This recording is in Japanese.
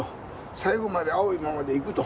最後まで青いままでいくと。